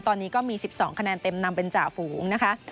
ตอนนี้ก็มี๑๒คะแนนเต็มนำเป็นจ่าฝูงนะคะ